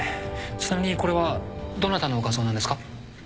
ちなみにこれはどなたの画像なんですか？